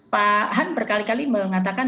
pak han berkali kali mengatakan